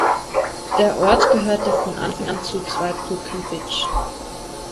Der Ort gehörte von Anfang an zu Zweibrücken-Bitsch.